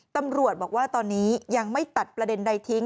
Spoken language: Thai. ตำรวจบอกว่าตอนนี้ยังไม่ตัดประเด็นใดทิ้ง